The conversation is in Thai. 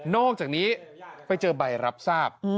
อกจากนี้ไปเจอใบรับทราบ